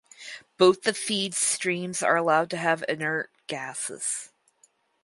Both the feed streams are allowed to have inert gases.